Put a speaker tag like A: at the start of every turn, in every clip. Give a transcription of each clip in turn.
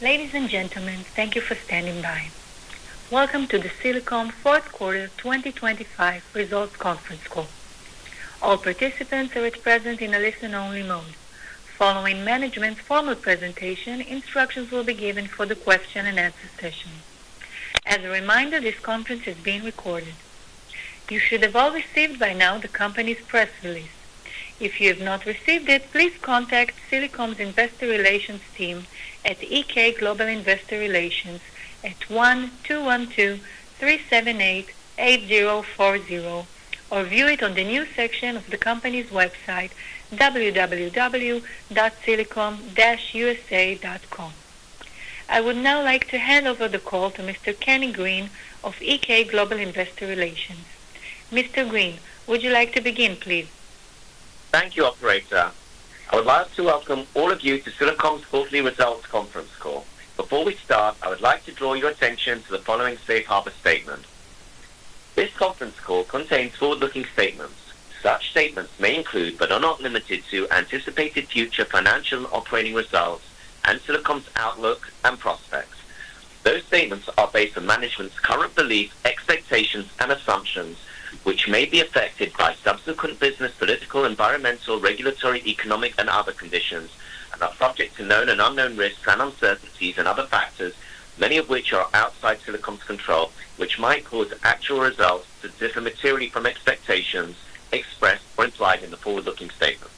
A: Ladies and gentlemen, thank you for standing by. Welcome to the Silicom Fourth Quarter 2025 Results Conference Call. All participants are at present in a listen-only mode. Following management's formal presentation, instructions will be given for the question-and-answer session. As a reminder, this conference is being recorded. You should have all received by now the company's press release. If you have not received it, please contact Silicom's Investor Relations team at EK Global Investor Relations at 1-212-378-8040 or view it on the news section of the company's website, www.silicom-usa.com. I would now like to hand over the call to Mr. Kenny Green of EK Global Investor Relations. Mr. Green, would you like to begin, please?
B: Thank you, Operator. I would like to welcome all of you to Silicom's Quarterly Results Conference Call. Before we start, I would like to draw your attention to the following Safe Harbor Statement. This conference call contains forward-looking statements. Such statements may include, but are not limited to, anticipated future financial and operating results and Silicom's outlook and prospects. Those statements are based on management's current beliefs, expectations, and assumptions, which may be affected by subsequent business, political, environmental, regulatory, economic, and other conditions, and are subject to known and unknown risks and uncertainties and other factors, many of which are outside Silicom's control, which might cause actual results to differ materially from expectations expressed or implied in the forward-looking statements.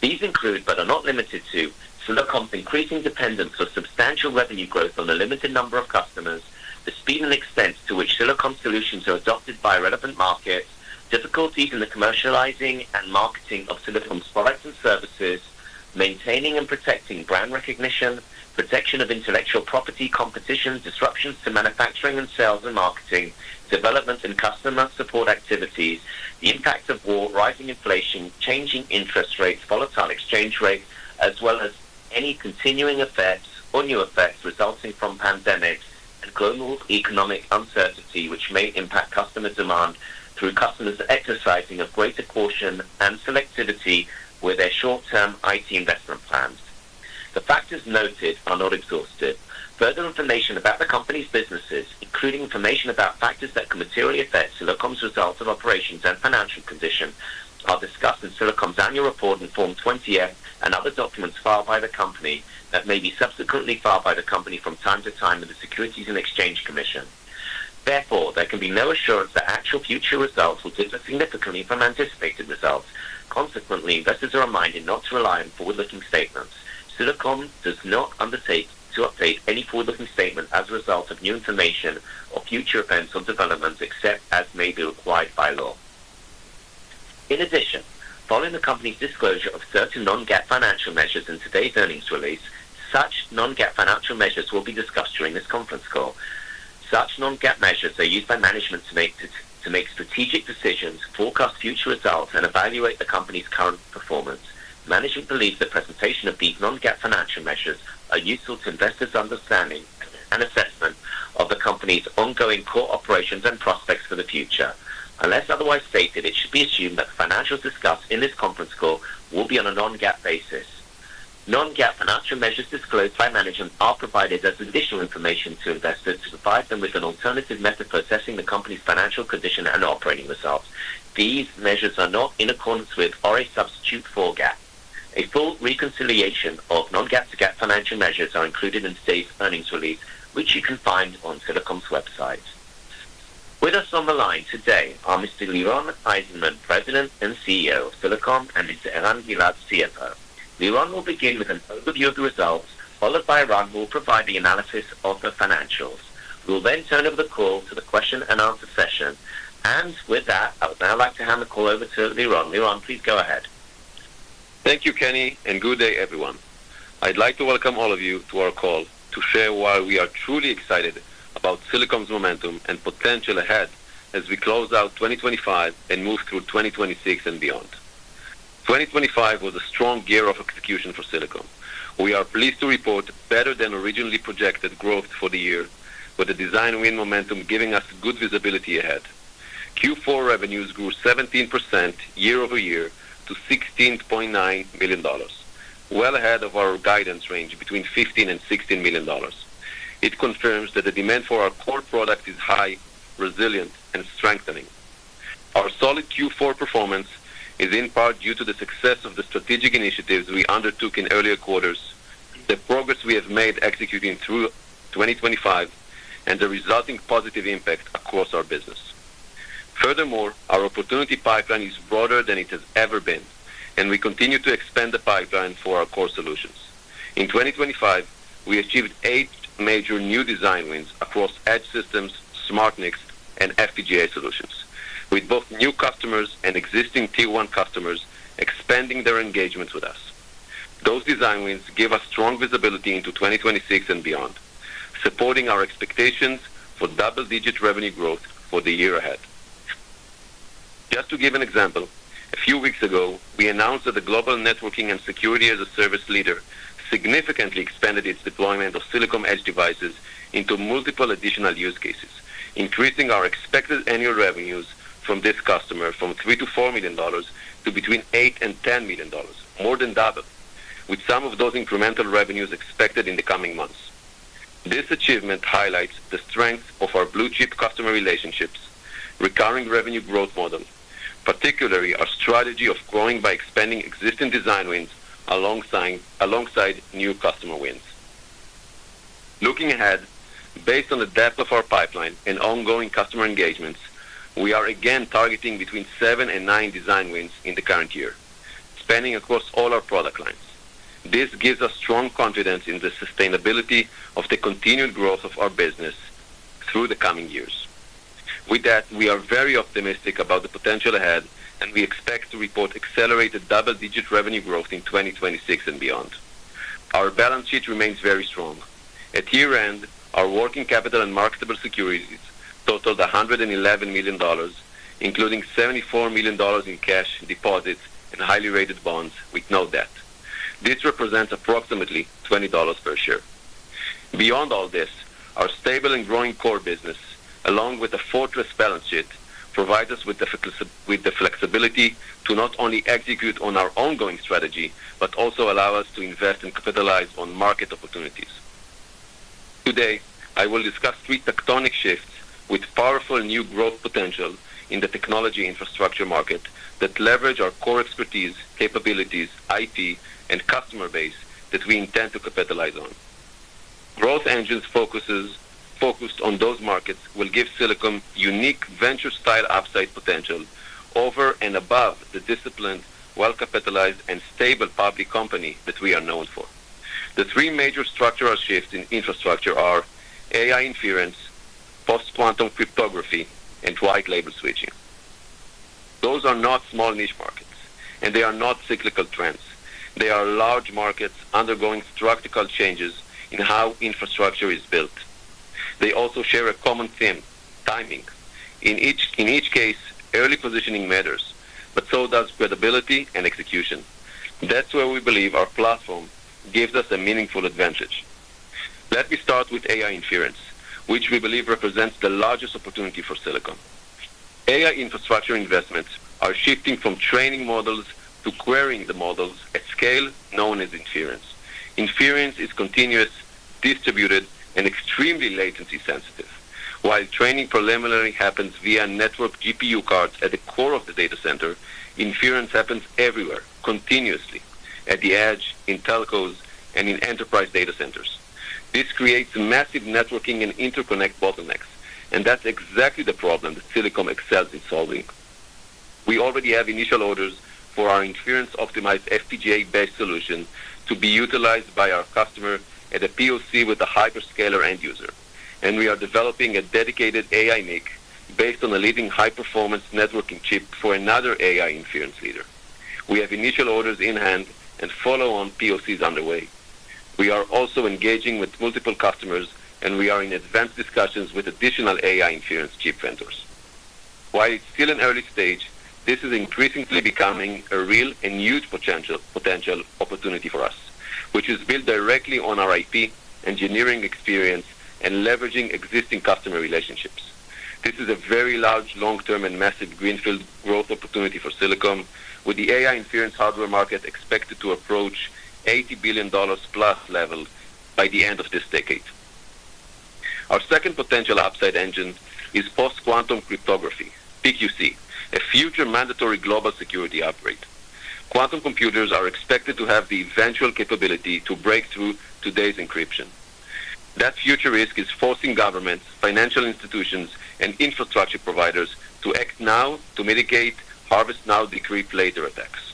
B: These include, but are not limited to, Silicom's increasing dependence for substantial revenue growth on a limited number of customers, the speed and extent to which Silicom solutions are adopted by relevant markets, difficulties in the commercializing and marketing of Silicom's products and services, maintaining and protecting brand recognition, protection of intellectual property, competition, disruptions to manufacturing and sales and marketing, development and customer support activities, the impact of war, rising inflation, changing interest rates, volatile exchange rates, as well as any continuing effects or new effects resulting from pandemics and global economic uncertainty, which may impact customer demand through customers exercising a greater caution and selectivity with their short-term IT investment plans. The factors noted are not exhaustive. Further information about the company's businesses, including information about factors that can materially affect Silicom's results and operations and financial condition, are discussed in Silicom's annual report in Form 20-F and other documents filed by the company that may be subsequently filed by the company from time to time with the Securities and Exchange Commission. Therefore, there can be no assurance that actual future results will differ significantly from anticipated results. Consequently, investors are reminded not to rely on forward-looking statements. Silicom does not undertake to update any forward-looking statement as a result of new information or future events or developments except as may be required by law. In addition, following the company's disclosure of certain non-GAAP financial measures in today's earnings release, such non-GAAP financial measures will be discussed during this conference call. Such non-GAAP measures are used by management to make strategic decisions, forecast future results, and evaluate the company's current performance. Management believes the presentation of these non-GAAP financial measures is useful to investors' understanding and assessment of the company's ongoing core operations and prospects for the future. Unless otherwise stated, it should be assumed that the financials discussed in this conference call will be on a non-GAAP basis. Non-GAAP financial measures disclosed by management are provided as additional information to investors to provide them with an alternative method for assessing the company's financial condition and operating results. These measures are not in accordance with or a substitute for GAAP. A full reconciliation of non-GAAP to GAAP financial measures is included in today's earnings release, which you can find on Silicom's website. With us on the line today are Mr. Liron Eizenman, President and CEO of Silicom, and Mr. Eran Gilad, CFO. Liron will begin with an overview of the results, followed by Eran, who will provide the analysis of the financials. We will then turn over the call to the question-and-answer session. With that, I would now like to hand the call over to Liron. Liron, please go ahead.
C: Thank you, Kenny, and good day, everyone. I'd like to welcome all of you to our call to share why we are truly excited about Silicom's momentum and potential ahead as we close out 2025 and move through 2026 and beyond. 2025 was a strong year of execution for Silicom. We are pleased to report better than originally projected growth for the year, with the design win momentum giving us good visibility ahead. Q4 revenues grew 17% year-over-year to $16.9 million, well ahead of our guidance range between $15 million and $16 million. It confirms that the demand for our core product is high, resilient, and strengthening. Our solid Q4 performance is in part due to the success of the strategic initiatives we undertook in earlier quarters, the progress we have made executing through 2025, and the resulting positive impact across our business. Furthermore, our opportunity pipeline is broader than it has ever been, and we continue to expand the pipeline for our core solutions. In 2025, we achieved eight major new design wins across edge systems, SmartNIC, and FPGA solutions, with both new customers and existing Tier 1 customers expanding their engagements with us. Those design wins give us strong visibility into 2026 and beyond, supporting our expectations for double-digit revenue growth for the year ahead. Just to give an example, a few weeks ago, we announced that the global networking and security as a service leader significantly expanded its deployment of Silicom Edge devices into multiple additional use cases, increasing our expected annual revenues from this customer from $3 million-$4 million to between $8 million and $10 million, more than doubled, with some of those incremental revenues expected in the coming months. This achievement highlights the strength of our blue-chip customer relationships, recurring revenue growth model, particularly our strategy of growing by expanding existing design wins alongside new customer wins. Looking ahead, based on the depth of our pipeline and ongoing customer engagements, we are again targeting between 7 and 9 design wins in the current year, spanning across all our product lines. This gives us strong confidence in the sustainability of the continued growth of our business through the coming years. With that, we are very optimistic about the potential ahead, and we expect to report accelerated double-digit revenue growth in 2026 and beyond. Our balance sheet remains very strong. At year-end, our working capital and marketable securities totaled $111 million, including $74 million in cash, deposits, and highly rated bonds with no debt. This represents approximately $20 per share. Beyond all this, our stable and growing core business, along with a fortress balance sheet, provides us with the flexibility to not only execute on our ongoing strategy but also allow us to invest and capitalize on market opportunities. Today, I will discuss three tectonic shifts with powerful new growth potential in the technology infrastructure market that leverage our core expertise, capabilities, IT, and customer base that we intend to capitalize on. Growth engines focused on those markets will give Silicom unique venture-style upside potential over and above the disciplined, well-capitalized, and stable public company that we are known for. The three major structural shifts in infrastructure are AI inference, post-quantum cryptography, and white label switching. Those are not small niche markets, and they are not cyclical trends. They are large markets undergoing structural changes in how infrastructure is built. They also share a common theme: Timing. In each case, early positioning matters, but so does credibility and execution. That's where we believe our platform gives us a meaningful advantage. Let me start with AI inference, which we believe represents the largest opportunity for Silicom. AI infrastructure investments are shifting from training models to querying the models at scale known as inference. Inference is continuous, distributed, and extremely latency-sensitive. While training primarily happens via network GPU cards at the core of the data center, inference happens everywhere, continuously, at the edge, in telcos, and in enterprise data centers. This creates massive networking and interconnect bottlenecks, and that's exactly the problem that Silicom excels in solving. We already have initial orders for our inference-optimized FPGA-based solution to be utilized by our customer at a POC with a hyperscaler end user, and we are developing a dedicated AI NIC based on a leading high-performance networking chip for another AI inference leader. We have initial orders in hand and follow-on POCs underway. We are also engaging with multiple customers, and we are in advanced discussions with additional AI inference chip vendors. While it's still an early stage, this is increasingly becoming a real and huge potential opportunity for us, which is built directly on our IP, engineering experience, and leveraging existing customer relationships. This is a very large, long-term, and massive greenfield growth opportunity for Silicom, with the AI inference hardware market expected to approach $80 billion plus level by the end of this decade. Our second potential upside engine is post-quantum cryptography, PQC, a future mandatory global security upgrade. Quantum computers are expected to have the eventual capability to break through today's encryption. That future risk is forcing governments, financial institutions, and infrastructure providers to act now to mitigate harvest-now-decrypt-later attacks.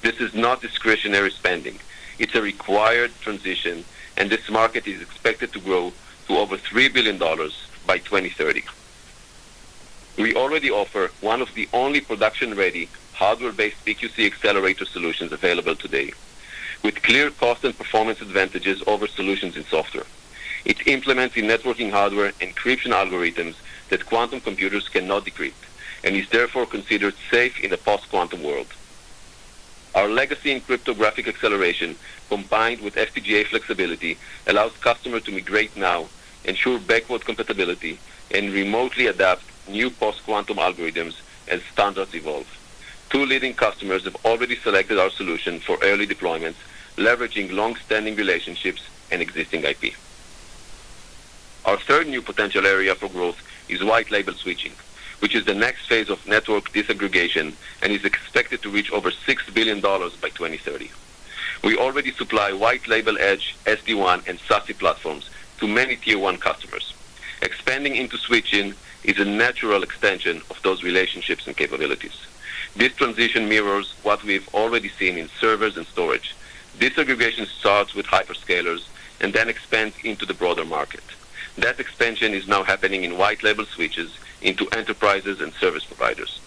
C: This is not discretionary spending. It's a required transition, and this market is expected to grow to over $3 billion by 2030. We already offer one of the only production-ready hardware-based PQC accelerator solutions available today, with clear cost and performance advantages over solutions in software. It implements the networking hardware encryption algorithms that quantum computers cannot decrypt and is therefore considered safe in a post-quantum world. Our legacy in cryptographic acceleration, combined with FPGA flexibility, allows customers to migrate now, ensure backward compatibility, and remotely adapt new post-quantum algorithms as standards evolve. Two leading customers have already selected our solution for early deployments, leveraging long-standing relationships and existing IP. Our third new potential area for growth is white label switching, which is the next phase of network disaggregation and is expected to reach over $6 billion by 2030. We already supply white label edge, SD-WAN, and SASE platforms to many Tier 1 customers. Expanding into switching is a natural extension of those relationships and capabilities. This transition mirrors what we've already seen in servers and storage. Disaggregation starts with hyperscalers and then expands into the broader market. That expansion is now happening in white label switches into enterprises and service providers.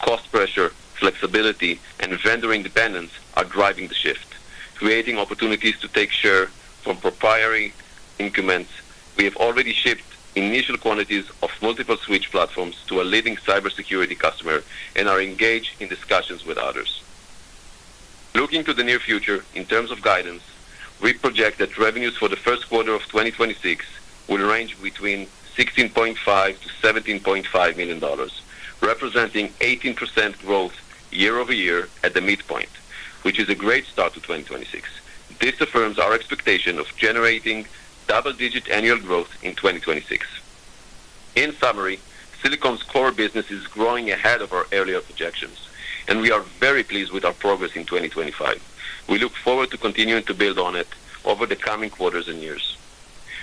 C: Cost pressure, flexibility, and vendor independence are driving the shift, creating opportunities to take share from proprietary incumbents. We have already shipped initial quantities of multiple switch platforms to a leading cybersecurity customer and are engaged in discussions with others. Looking to the near future, in terms of guidance, we project that revenues for the first quarter of 2026 will range between $16.5 million-$17.5 million, representing 18% year-over-year growth at the midpoint, which is a great start to 2026. This affirms our expectation of generating double-digit annual growth in 2026. In summary, Silicom's core business is growing ahead of our earlier projections, and we are very pleased with our progress in 2025. We look forward to continuing to build on it over the coming quarters and years.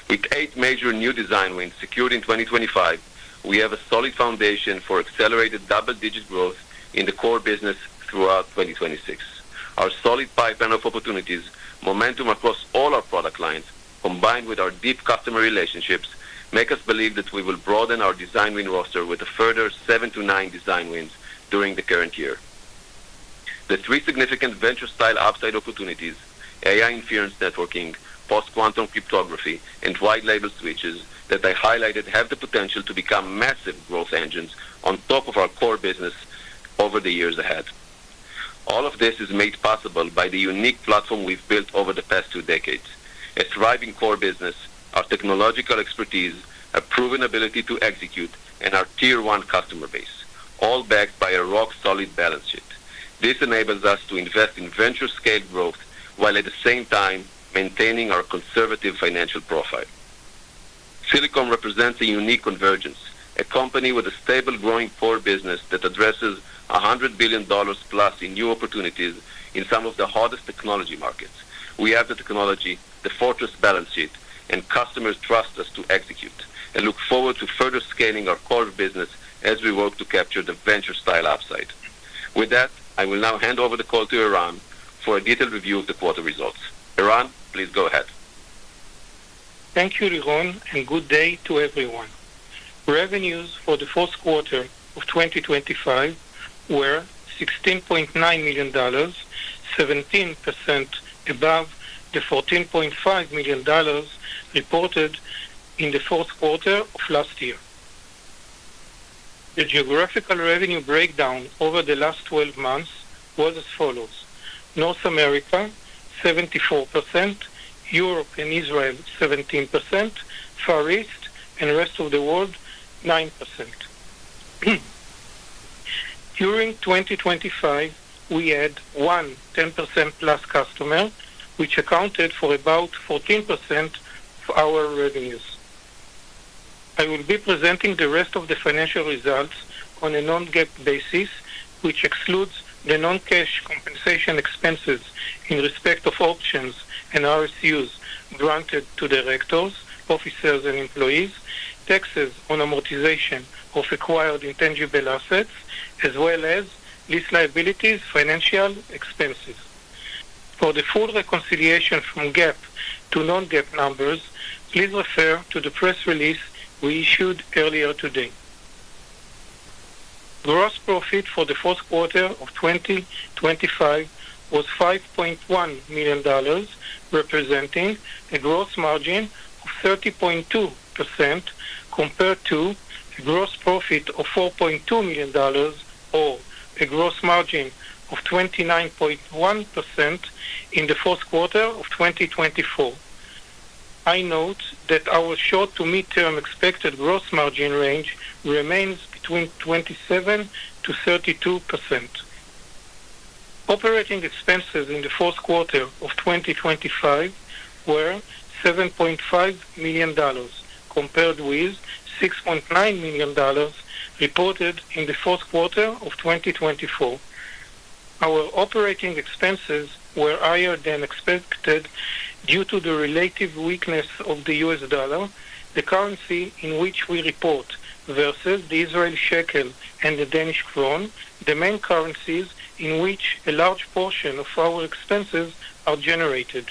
C: With eight major new design wins secured in 2025, we have a solid foundation for accelerated double-digit growth in the core business throughout 2026. Our solid pipeline of opportunities, momentum across all our product lines, combined with our deep customer relationships, make us believe that we will broaden our design win roster with a further seven to nine design wins during the current year. The three significant venture-style upside opportunities (AI inference networking, post-quantum cryptography, and white label switches) that I highlighted have the potential to become massive growth engines on top of our core business over the years ahead. All of this is made possible by the unique platform we've built over the past two decades: a thriving core business, our technological expertise, a proven ability to execute, and our Tier 1 customer base, all backed by a rock-solid balance sheet. This enables us to invest in venture-scale growth while at the same time maintaining our conservative financial profile. Silicom represents a unique convergence, a company with a stable growing core business that addresses $100 billion+ in new opportunities in some of the hottest technology markets. We have the technology, the fortress balance sheet, and customers trust us to execute and look forward to further scaling our core business as we work to capture the venture-style upside. With that, I will now hand over the call to Eran for a detailed review of the quarter results. Eran, please go ahead.
D: Thank you, Liron, and good day to everyone. Revenues for the fourth quarter of 2025 were $16.9 million, 17% above the $14.5 million reported in the fourth quarter of last year. The geographical revenue breakdown over the last 12 months was as follows: North America 74%, Europe and Israel 17%, Far East and rest of the world 9%. During 2025, we had one 10%+ customer, which accounted for about 14% of our revenues. I will be presenting the rest of the financial results on a non-GAAP basis, which excludes the non-cash compensation expenses in respect of options and RSUs granted to directors, officers, and employees, taxes on amortization of acquired intangible assets, as well as lease liabilities financial expenses. For the full reconciliation from GAAP to non-GAAP numbers, please refer to the press release we issued earlier today. Gross profit for the fourth quarter of 2025 was $5.1 million, representing a gross margin of 30.2% compared to a gross profit of $4.2 million or a gross margin of 29.1% in the fourth quarter of 2024. I note that our short-to-mid-term expected gross margin range remains between 27%-32%. Operating expenses in the fourth quarter of 2025 were $7.5 million compared with $6.9 million reported in the fourth quarter of 2024. Our operating expenses were higher than expected due to the relative weakness of the US dollar, the currency in which we report versus the Israeli shekel and the Danish krone, the main currencies in which a large portion of our expenses are generated.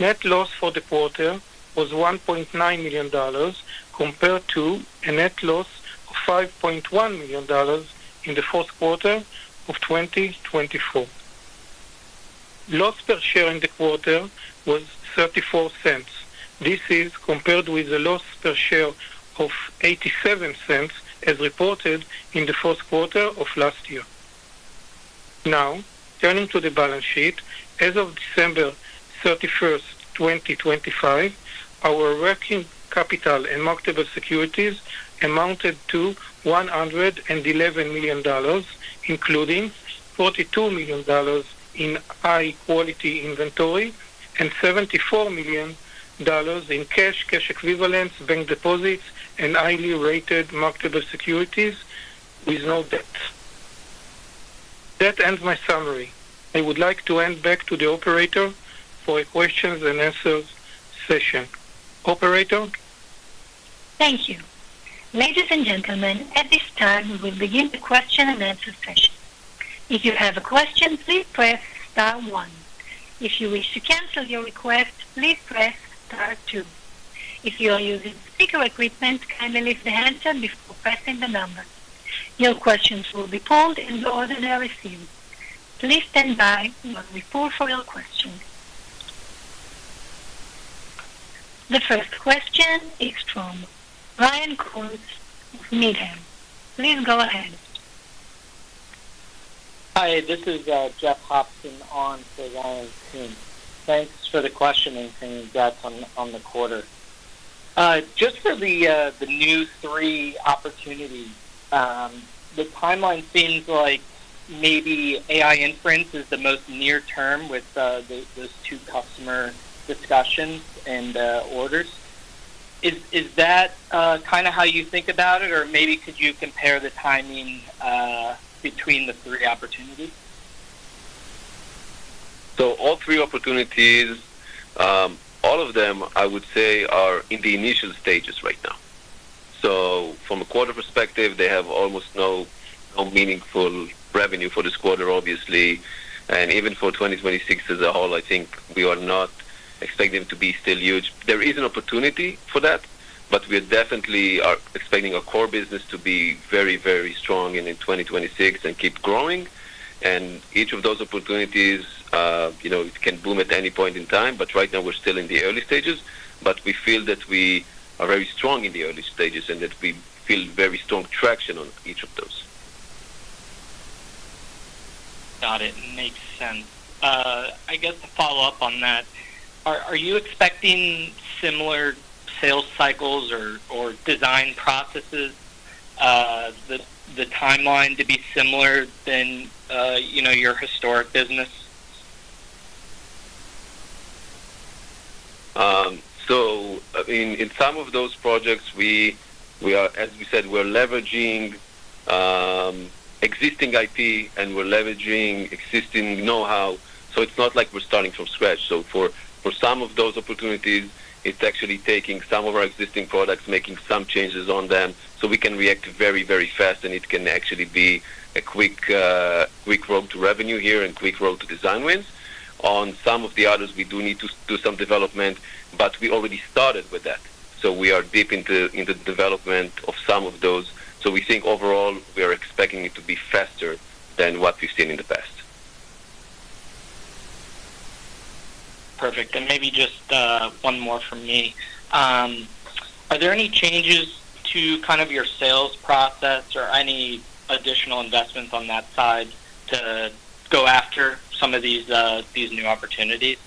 D: Net loss for the quarter was $1.9 million compared to a net loss of $5.1 million in the fourth quarter of 2024. Loss per share in the quarter was $0.34. This is compared with a loss per share of $0.87 as reported in the fourth quarter of last year. Now, turning to the balance sheet, as of December 31st, 2025, our working capital and marketable securities amounted to $111 million, including $42 million in high-quality inventory and $74 million in cash, cash equivalents, bank deposits, and highly rated marketable securities with no debt. That ends my summary. I would like to hand back to the operator for a questions and answers session. Operator.
A: Thank you. Ladies and gentlemen, at this time, we will begin the question and answer session. If you have a question, please press star one. If you wish to cancel your request, please press star two. If you are using speaker equipment, kindly lift the handset up before pressing the number. Your questions will be polled in the ordinary series. Please stand by while we pull for your question. The first question is from Ryan Koontz of Needham. Please go ahead.
E: Hi, this is Jeff Hopson on for Ryan Koontz. Thanks for the question and things that's on the quarter. Just for the new three opportunities, the timeline seems like maybe AI inference is the most near term with those two customer discussions and orders. Is that kind of how you think about it, or maybe could you compare the timing between the three opportunities?
C: So all three opportunities, all of them, I would say, are in the initial stages right now. So from a quarter perspective, they have almost no meaningful revenue for this quarter, obviously. And even for 2026 as a whole, I think we are not expecting them to be still huge. There is an opportunity for that, but we definitely are expecting our core business to be very, very strong in 2026 and keep growing. And each of those opportunities, it can boom at any point in time, but right now, we're still in the early stages. But we feel that we are very strong in the early stages and that we feel very strong traction on each of those.
E: Got it. Makes sense. I guess to follow up on that, are you expecting similar sales cycles or design processes, the timeline to be similar than your historic business?
C: So in some of those projects, as we said, we're leveraging existing IP and we're leveraging existing know-how. So it's not like we're starting from scratch. So for some of those opportunities, it's actually taking some of our existing products, making some changes on them so we can react very, very fast, and it can actually be a quick road to revenue here and quick road to design wins. On some of the others, we do need to do some development, but we already started with that. So we are deep into the development of some of those. So we think overall, we are expecting it to be faster than what we've seen in the past.
E: Perfect. Maybe just one more from me. Are there any changes to kind of your sales process or any additional investments on that side to go after some of these new opportunities?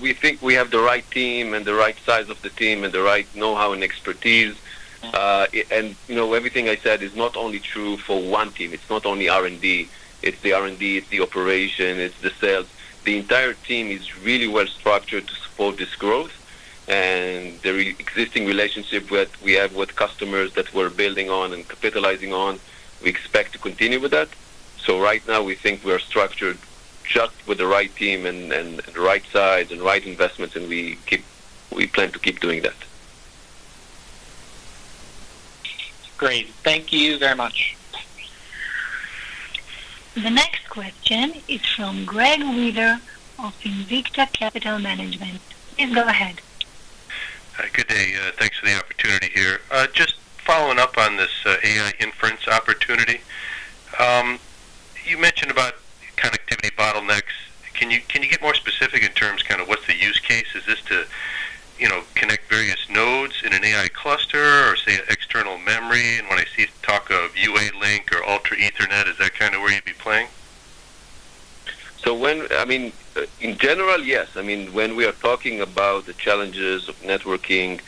C: We think we have the right team and the right size of the team and the right know-how and expertise. And everything I said is not only true for one team. It's not only R&D. It's the R&D, it's the operation, it's the sales. The entire team is really well-structured to support this growth. And the existing relationship that we have with customers that we're building on and capitalizing on, we expect to continue with that. So right now, we think we are structured just with the right team and the right size and right investments, and we plan to keep doing that.
E: Great. Thank you very much.
A: The next question is from Greg Weaver of Invicta Capital Management. Please go ahead.
F: Good day. Thanks for the opportunity here. Just following up on this AI inference opportunity, you mentioned about connectivity bottlenecks. Can you get more specific in terms of kind of what's the use case? Is this to connect various nodes in an AI cluster or, say, external memory? And when I see talk of UALink or Ultra Ethernet, is that kind of where you'd be playing?
C: So I mean, in general, yes. I mean, when we are talking about the challenges of networking,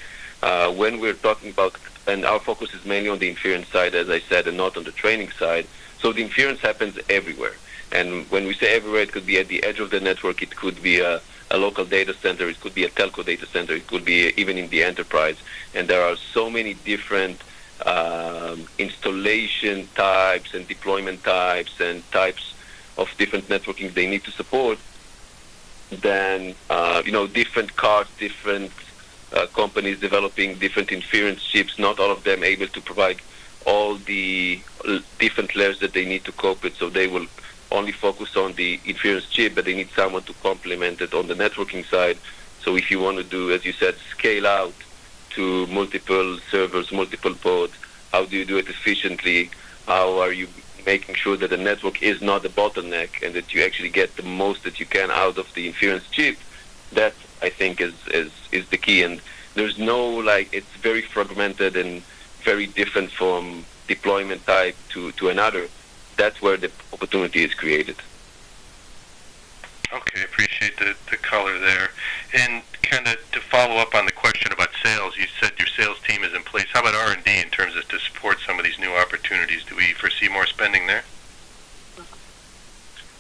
C: when we're talking about, and our focus is mainly on the inference side, as I said, and not on the training side. So the inference happens everywhere. And when we say everywhere, it could be at the edge of the network, it could be a local data center, it could be a telco data center, it could be even in the enterprise. And there are so many different installation types and deployment types and types of different networking they need to support, then different cards, different companies developing different inference chips, not all of them able to provide all the different layers that they need to cope with. So they will only focus on the inference chip, but they need someone to complement it on the networking side. So if you want to do, as you said, scale out to multiple servers, multiple ports, how do you do it efficiently? How are you making sure that the network is not a bottleneck and that you actually get the most that you can out of the inference chip? That, I think, is the key. And there's no like it's very fragmented and very different from deployment type to another. That's where the opportunity is created.
F: Okay. Appreciate the color there. Kind of to follow up on the question about sales, you said your sales team is in place. How about R&D in terms of to support some of these new opportunities? Do we foresee more spending there?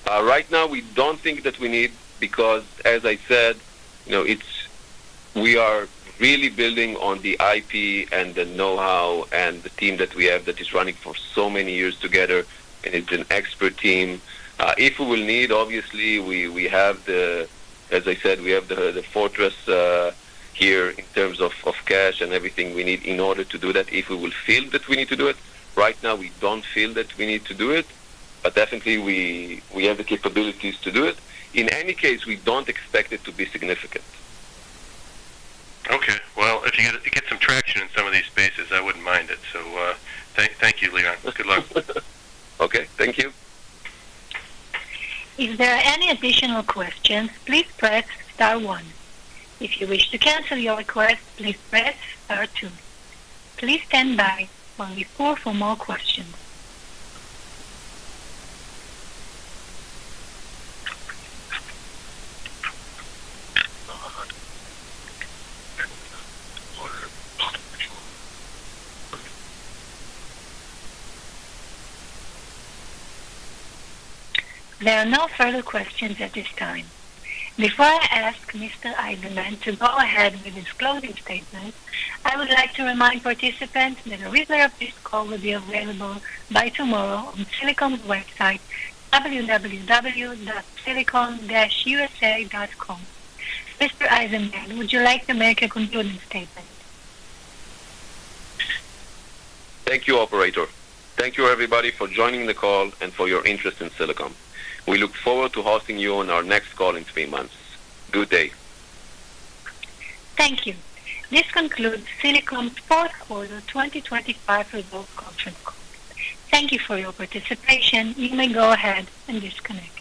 C: Right now, we don't think that we need because, as I said, we are really building on the IP and the know-how and the team that we have that is running for so many years together, and it's an expert team. If we will need, obviously, we have the, as I said, we have the fortress here in terms of cash and everything we need in order to do that. If we will feel that we need to do it, right now, we don't feel that we need to do it, but definitely, we have the capabilities to do it. In any case, we don't expect it to be significant.
F: Okay. Well, if you get some traction in some of these spaces, I wouldn't mind it. So thank you, Liron. Good luck.
C: Okay. Thank you.
A: If there are any additional questions, please press star one. If you wish to cancel your request, please press star two. Please stand by while we pull for more questions. There are no further questions at this time. Before I ask Mr. Eizenman to go ahead with his closing statement, I would like to remind participants that a record of this call will be available by tomorrow on Silicom's website, www.silicom-usa.com. Mr. Eizenman, would you like to make a concluding statement?
C: Thank you, Operator. Thank you, everybody, for joining the call and for your interest in Silicom. We look forward to hosting you on our next call in three months. Good day.
A: Thank you. This concludes Silicom's fourth quarter 2025 results conference call. Thank you for your participation. You may go ahead and disconnect.